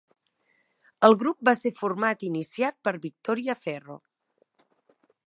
El grup va ser format i iniciat per Victoria Ferro.